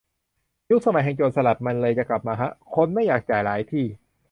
ยุคสมัยแห่งโจรสลัดมันเลยจะกลับมาฮะ คนไม่อยากจ่ายหลายที่